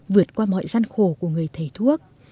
vượt qua mọi gian khổ của người thầy thuốc